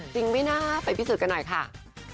จริงไหมนะไปพิสูจน์กันหน่อยค่ะ